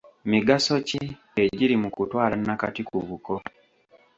Migaso ki egirimu kutwala nnakati ku buko?